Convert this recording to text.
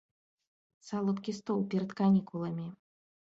Салодкі стол перад канікуламі.